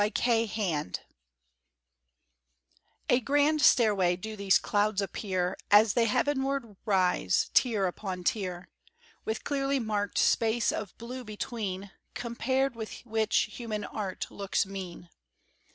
THE CLOUDS A grand stairway do these clouds appear As they heavenward rise, tier upon tier, With clearly marked space of blue between, Compared with which human art looks mean.